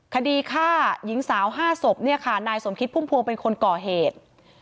คดีฆ่าหญิงสาว๕ศพเนี่ยค่ะนายสมคิดพุ่มพวงเป็นคนก่อเหตุ